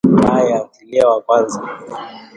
Haya ntilie wa kwanza